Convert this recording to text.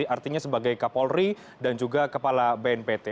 artinya sebagai kapolri dan juga kepala bnpt